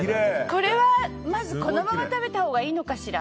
これはまずこのまま食べたほうがいいのかしら。